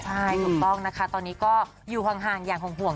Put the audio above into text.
ใช่ถูกต้องนะคะตอนนี้ก็อยู่ห่างอย่างห่วง